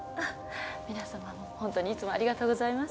皆様もホントにいつもありがとうございます。